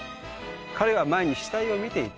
彼は前に死体を見ていた。